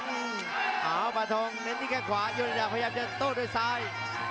เอาปาทองเน้นที่แค่ขวาโยดาพยายามจะโต้ด้วยซ้าย